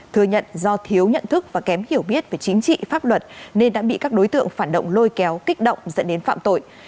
thừa nhận do thiếu nhận thức và kém hiểu biết về chính trị pháp luật nên đã bị các đối tượng phản động lôi kéo kích động dẫn đến phạm tội